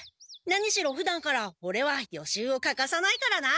何しろふだんからオレは予習をかかさないからな。